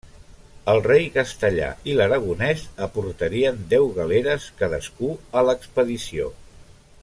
El rei castellà i l'aragonès aportarien deu galeres cadascú a l'expedició.